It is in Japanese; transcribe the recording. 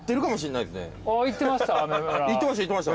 行ってました